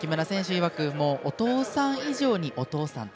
いわくお父さん以上にお父さんと。